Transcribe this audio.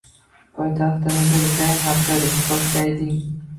Poytaxtimizda dizayn markazi ish boshlayding